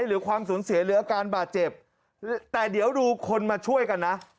หรือความสูญเสียหรืออาการบาดเจ็บแต่เดี๋ยวดูคนมาช่วยกันนะ